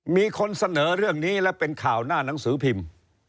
มีคนเสนอเรื่องนี้และเป็นข่าวหน้าหนังสือพิมพ์